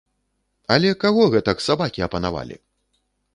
Але каго гэтак сабакі апанавалі?